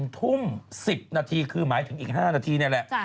ทุ่ม๑๐นาทีคือหมายถึงอีก๕นาทีนี่แหละ